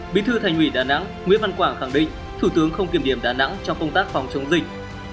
bí thư thành ủy đà nẵng nguyễn văn quảng khẳng định thủ tướng không kiểm điểm đà nẵng trong công tác phòng chống dịch